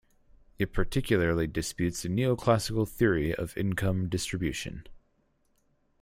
It particularly disputes neo-classical theory of income distribution.